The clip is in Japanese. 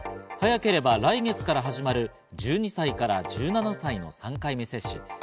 早ければ来月から始まる１２歳１７歳の３回目接種。